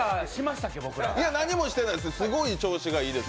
何もしてないですけど。